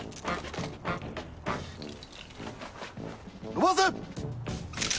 伸ばせ！